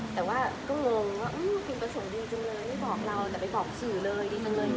แต่ว่าก็งงว่าคุณประสงค์ดีจังเลยไม่บอกเราแต่ไปบอกสื่อเลยดีจังเลย